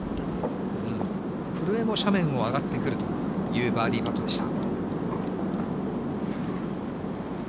古江も斜面を上がってくるというバーディーパットでした。